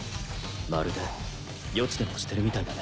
まるで予知でもしてるみたいだね。